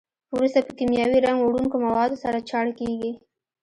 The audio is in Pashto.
وروسته په کیمیاوي رنګ وړونکو موادو سره چاڼ کېږي.